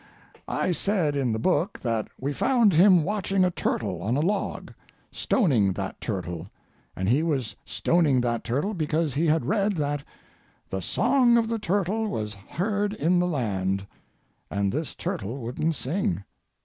I said in the book that we found him watching a turtle on a log, stoning that turtle, and he was stoning that turtle because he had read that "The song of the turtle was heard in the land," and this turtle wouldn't sing.